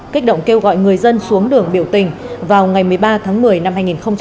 kích động kêu gọi người dân xuống đường biểu tình vào ngày một mươi ba tháng một mươi năm hai nghìn hai mươi